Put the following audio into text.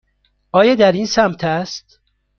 آیا در این سمت است؟